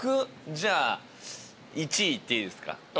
じゃあ僕１位言っていいですか？